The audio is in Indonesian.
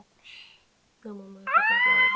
tidak memerlukan keluarga